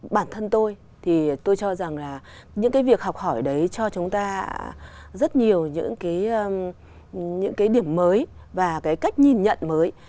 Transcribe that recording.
bản thân tôi thì tôi cho rằng là những cái việc học hỏi đấy cho chúng ta rất nhiều những cái điểm mới và cái cách nhìn nhận mới